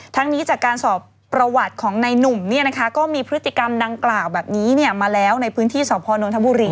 ทั้งนี้จากการสอบประวัติของในนุ่มก็มีพฤติกรรมดังกล่าวแบบนี้มาแล้วในพื้นที่สพนนทบุรี